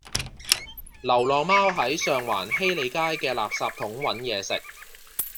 流浪貓喺上環禧利街嘅垃圾桶搵野食